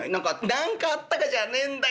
「何かあったかじゃねえんだよ。